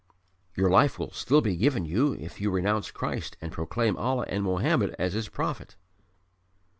"Your life will still be given you if you renounce Christ and proclaim Allah and Mohammed as His prophet."